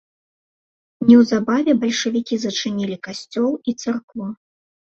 Неўзабаве бальшавікі зачынілі касцёл і царкву.